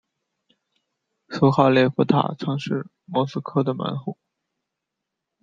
苏哈列夫塔曾是莫斯科的门户。